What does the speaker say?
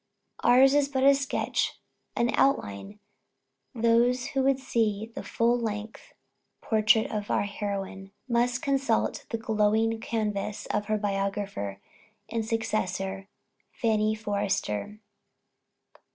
Ours is but a sketch, an outline; those who would see the full length portrait of our heroine, must consult the glowing canvass of her biographer and successor, "Fanny Forrester."